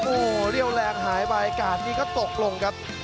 โอ้เรียวแรงหายไปร่างชาติก็ตกลงครับ